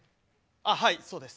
あはいそうです。